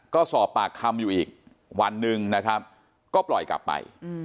ก็สอบปากคำอยู่อีกวันหนึ่งนะครับก็ปล่อยกลับไป